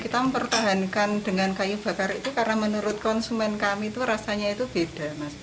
kita mempertahankan dengan kayu bakar itu karena menurut konsumen kami itu rasanya itu beda mas